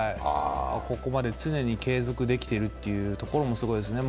ここまで常に継続できてるっていうところも、すごいですね。